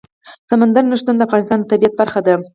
سمندر نه شتون د افغانستان د طبیعت برخه ده.